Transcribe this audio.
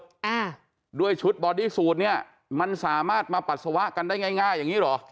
อ่าด้วยชุดบอดี้สูตรเนี้ยมันสามารถมาปัสสาวะกันได้ง่ายง่ายอย่างงี้เหรอ